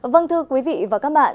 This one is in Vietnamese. vâng thưa quý vị và các bạn